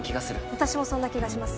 私もそんな気がします